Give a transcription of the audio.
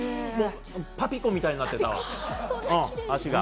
パピコみたいになってたわ、足が。